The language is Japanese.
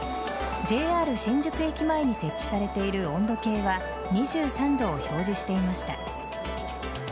ＪＲ新宿駅前に設置されている温度計は２３度を表示していました。